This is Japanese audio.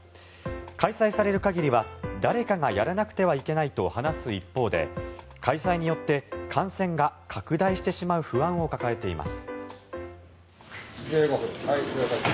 開催される限りは誰かがやらなくてはいけないと話す一方で開催によって感染が拡大してしまう不安を抱えています。